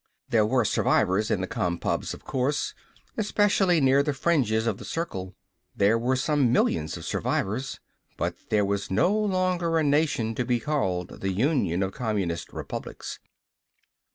There were survivors in the Compubs, of course. Especially near the fringes of the circle. There were some millions of survivors. But there was no longer a nation to be called the Union of Communist Republics.